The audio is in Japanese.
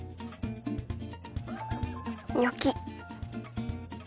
ニョキ。